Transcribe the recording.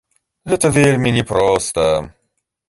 Гэта вельмі не проста.